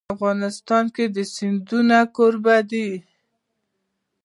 افغانستان د سیندونه کوربه دی.